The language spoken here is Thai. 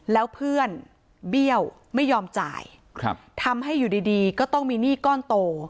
แล้วเพื่อนเบี้ยวไม่ยอมจ่ายทำให้อยู่ดีก็ต้องมีหนี้ก้อนโต